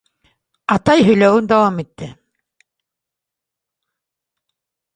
Атай һөйләүен дауам итте.